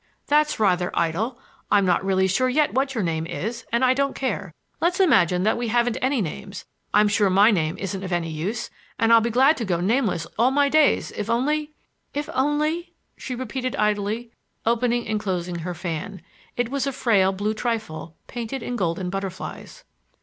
"That's rather idle. I'm not really sure yet what your name is, and I don't care. Let's imagine that we haven't any names,—I'm sure my name isn't of any use, and I'll be glad to go nameless all my days if only—" "If only—" she repeated idly, opening and closing her fan. It was a frail blue trifle, painted in golden butterflies.